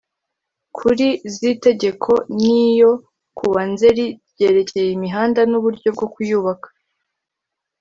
kuri z itegeko n’lyo kuwa Nzeli ryerekeye imihanda n uburyo bwo kuyubaka